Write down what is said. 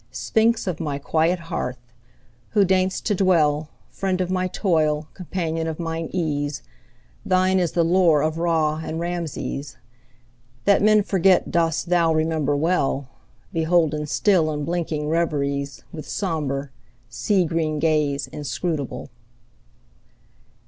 Sphinx of my quiet hearth! who deign'st to dwellFriend of my toil, companion of mine ease, Thine is the lore of Ra and Rameses; That men forget dost thou remember well, Beholden still in blinking reveriesWith sombre, sea green gaze inscrutable.